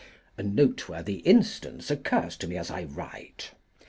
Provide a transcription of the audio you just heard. A noteworthy instance occurs to me as I write.